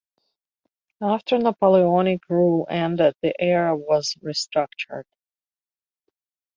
After Napoleonic rule ended, the area was restructured.